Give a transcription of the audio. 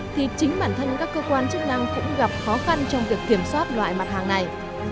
thì chính bản thân các cơ quan chức năng cũng gặp khó khăn trong việc kiểm soát loại mặt hàng này